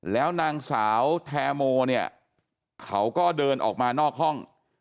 แล้วนางสาวแทโมเนี่ยเขาก็เดินออกมานอกห้อง